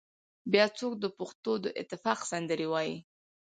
بيا څوک د پښتنو د اتفاق سندرې وايي